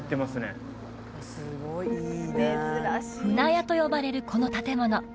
舟屋と呼ばれるこの建物